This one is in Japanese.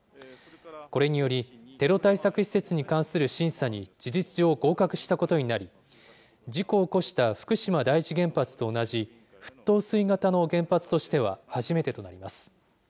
これにより、テロ対策施設に関する審査に事実上、合格したことになり、事故を起こした福島第一原発と同じ沸騰水型の原発としては初めてとなります。